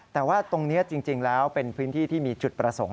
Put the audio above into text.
แต่ว่าตรงนี้จริงแล้วเป็นพื้นที่ที่มีจุดประสงค์